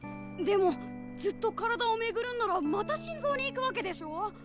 でもずっと体を巡るんならまた心臓に行くわけでしょ。